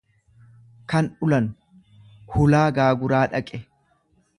kan ulan; Hulaa gaaguraa dhaqe.